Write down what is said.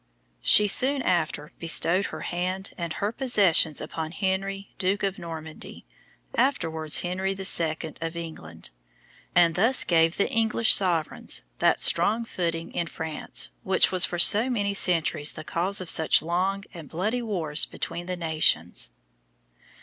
She soon after bestowed her hand and her possessions upon Henry Duke of Normandy, afterwards Henry II. of England, and thus gave the English sovereigns that strong footing in France which was for so many centuries the cause of such long and bloody wars between the nations.